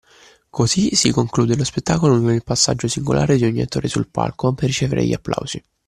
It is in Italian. Così si conclude lo spettacolo con il passaggio singolare di ogni attore sul palco per ricevere gli applausi.